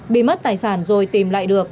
bị mất tài sản rồi tìm lại được